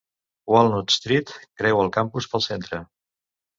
Walnut Street creua el campus pel centre.